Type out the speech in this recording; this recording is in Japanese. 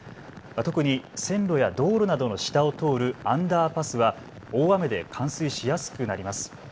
特に線路や道路などの下を通るアンダーパスは大雨で冠水しやすくなります。